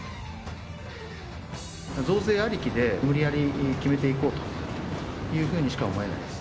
増税ありきで無理やり決めていこうというふうにしか思えないです。